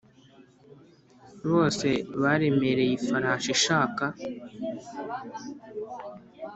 bose baremereye ifarashi ishaka!